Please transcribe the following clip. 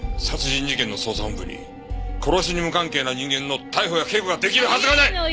殺人事件の捜査本部に殺しに無関係な人間の逮捕や警護が出来るはずがない！